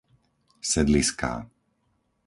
Sedliská